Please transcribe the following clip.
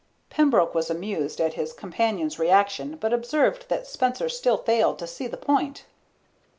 Pembroke was amused at his companion's reaction but observed that Spencer still failed to see the point.